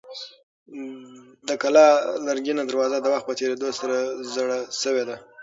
د کلا لرګینه دروازه د وخت په تېرېدو سره زړه شوې ده.